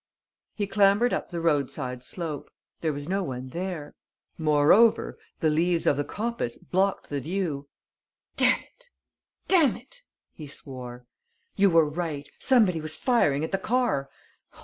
He clambered up the road side slope. There was no one there. Moreover, the leaves of the coppice blocked the view. "Damn it! Damn it!" he swore. "You were right: somebody was firing at the car!